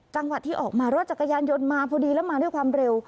จังหวะที่ออกมารถจักรยานยนต์มาพอดีแล้วมาด้วยความเร็ว